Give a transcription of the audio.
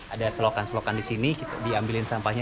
ada selokan selokan di sini diambilin sampahnya